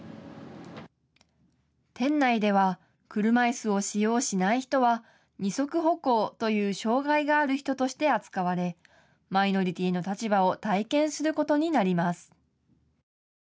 店内では車いすを使用しない人は二足歩行という障害がある人として扱われ、マイノリティーの立場を体験することになります。